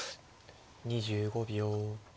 ２５秒。